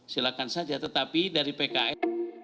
silakan saja tetapi dari pks